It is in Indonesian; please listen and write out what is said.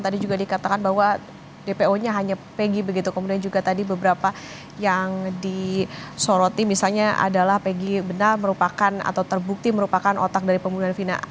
tadi juga dikatakan bahwa dpo nya hanya pegi begitu kemudian juga tadi beberapa yang disoroti misalnya adalah peggy benar merupakan atau terbukti merupakan otak dari pembunuhan vina